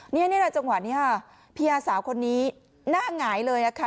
นี่จังหวะนี้พี่อาสาวคนนี้หน้างายเลยค่ะ